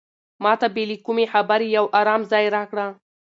ما ته بې له کومې خبرې یو ارام ځای راکړه.